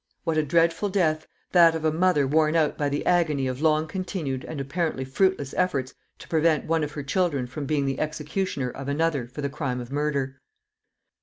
What a dreadful death! that of a mother worn out by the agony of long continued and apparently fruitless efforts to prevent one of her children from being the executioner of another for the crime of murder.